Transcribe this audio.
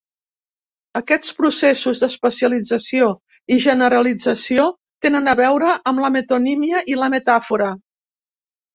Aquests processos d'especialització i generalització tenen a veure amb la metonímia i la metàfora.